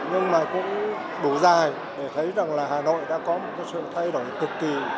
nhưng mà cũng đủ dài để thấy rằng là hà nội đã có một cái sự thay đổi cực kỳ